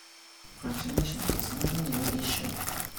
Fractionation is not a new issue.